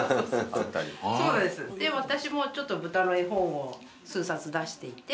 私も豚の絵本を数冊出していて。